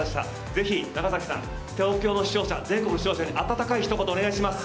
ぜひ長崎さん、東京の視聴者、全国の視聴者に温かいひと言をお願いします。